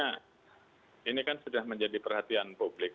karena ini kan sudah menjadi perhatian publik